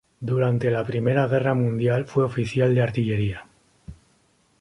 Durante la Primera Guerra Mundial fue oficial de artillería.